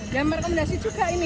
ya merekomendasi juga ini